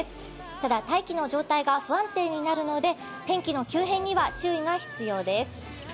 ただ、大気の状態が不安定になるので天気の急変には注意が必要です。